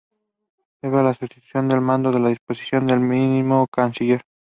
Cabrera le sustituyó en el mando por disposición del mismo Carnicer.